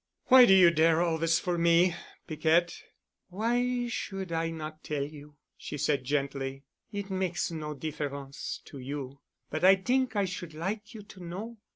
"Why do you dare all this for me, Piquette?" "Why should I not tell you?" she said gently. "It makes no difference to you, but I t'ink I should like you to know.